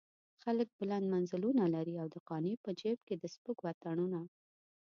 خلک بلند منزلونه لري او د قانع په جيب کې د سپږو اتڼونه.